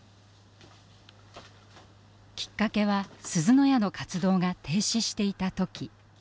きっかけはすずの家の活動が停止していた時。